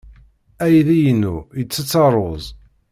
Aydi-inu yettett ṛṛuz.